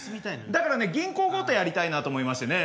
だからね銀行強盗やりたいなと思いましてね。